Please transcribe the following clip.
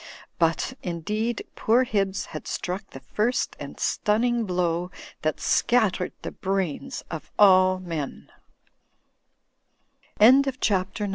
But, indeed, poor Hibbs had struck the first and stunning blow that scattered the brains of all men.